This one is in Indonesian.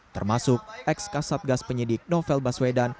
termasuk ex kasatgas penyidik novel baswedan